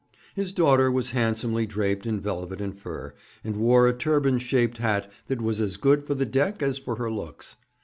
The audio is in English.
His daughter was handsomely draped in velvet and fur, and wore a turban shaped hat that was as good for the deck as for her looks.